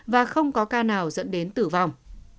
và không có ca nào dẫn đến tử vong